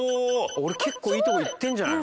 俺結構いいとこいってんじゃない？